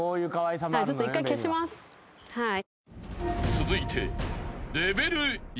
［続いて］